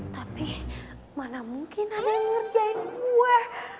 tapi mana mungkin ada yang ngerjain gue